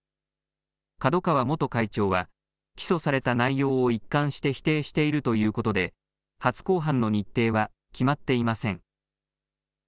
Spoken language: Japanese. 角川元会長は起訴された内容を一貫して否定しているということで初公判の日程は決まっていません。